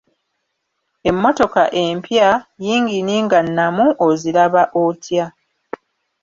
Emmotoka empya, yingini nga nnamu oziraba otya?